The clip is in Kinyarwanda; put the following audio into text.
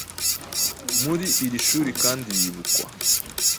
Muri iri shuri kandi yibukwa